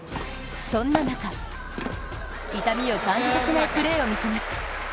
そんな中、痛みを感じさせないプレーを見せます。